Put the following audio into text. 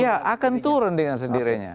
ya akan turun dengan sendirinya